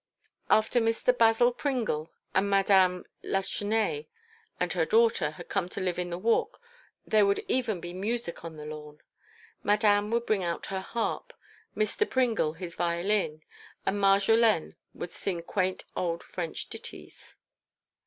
After Mr. Basil Pringle and Madame Lachesnais and her daughter had come to live in the Walk there would even be music on the lawn. Madame would bring out her harp, Mr. Pringle his violin, and Marjolaine would sing quaint old French ditties.